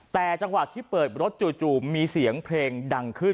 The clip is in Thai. แต่จังหวะที่เปิดรถจู่มีเสียงเพลงดังขึ้น